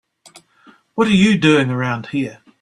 What are you doing around here?